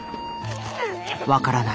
分からない。